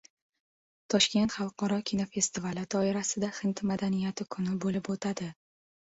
Toshkent xalqaro kinofestivali doirasida "Hind madaniyati kuni" bo‘lib o‘tadi